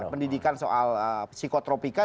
pendidikan soal psikotropika